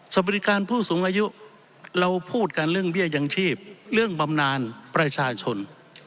สวัสดีการผู้สูงอายุเราพูดกันเรื่องเบี้ยยังชีพเรื่องบำนานประชาชน